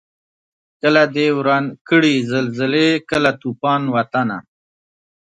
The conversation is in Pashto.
کله دي وران کړي زلزلې کله توپان وطنه